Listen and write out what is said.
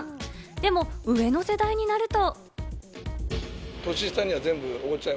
でも上の世代になると。